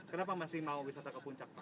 kenapa masih mau wisata ke puncak pak